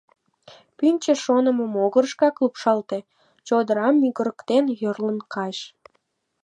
Пӱнчӧ шонымо могырышкак лупшалте, чодырам мӱгырыктен, йӧрлын кайыш.